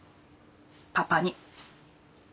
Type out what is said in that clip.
パパに。